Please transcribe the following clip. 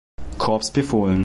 Korps befohlen.